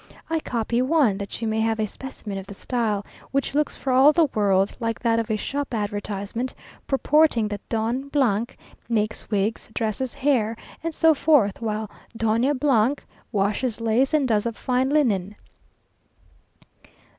I copy one, that you may have a specimen of the style, which looks for all the world like that of a shop advertisement, purporting that Don makes wigs, dresses hair, and so forth, while Doña washes lace, and does up fine linen.